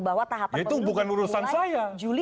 bahwa tahapan pemilu mulai juli dua ribu dua puluh lima